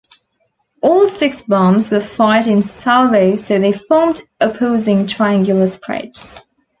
All six bombs were fired in salvo so they formed opposing triangular spreads.